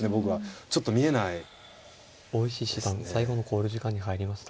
大石七段最後の考慮時間に入りました。